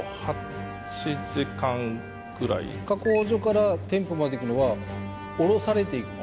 加工場から店舗まで行くのはおろされていくの？